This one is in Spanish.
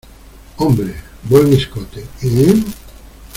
hombre. buen escote, ¿ eh?